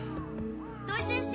土井先生。